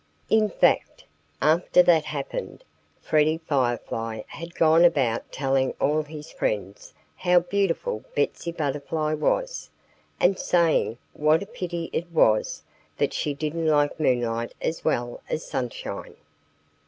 In fact, after that happened, Freddie Firefly had gone about telling all his friends how beautiful Betsy Butterfly was, and saying what a pity it was that she didn't like moonlight as well as sunshine.